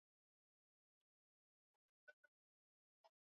Kuwa zaidi ya milioni tatu Lugha yao ni Kisukuma